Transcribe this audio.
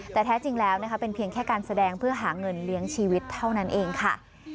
แต่แท้จริงแล้วนะคะเป็นเพียงแค่การแสดงเพื่อหาเงินเลี้ยงชีวิตเท่านั้นเองค่ะ